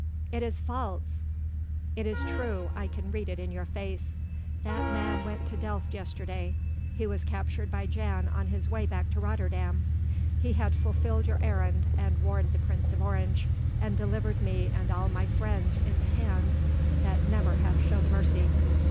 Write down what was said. "It is false!" "It is true I can read it in your face. That man went to Delft yesterday he was captured by Jan on his way back to Rotterdam. He had fulfilled your errand and warned the Prince of Orange and delivered me and all my friends into hands that never have known mercy."